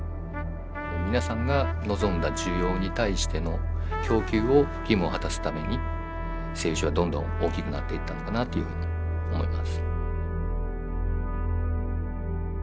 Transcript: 皆さんが望んだ需要に対しての供給を義務を果たすために製油所はどんどん大きくなっていったのかなというふうに思います。